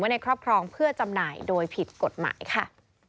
ในครอบครองเพื่อจำหน่ายโดยผิดกฎหมายค่ะ